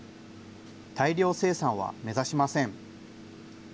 大量生産は目指しません。